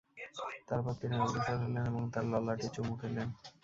তারপর তিনি অগ্রসর হলেন এবং তার ললাটে চুমু খেলেন।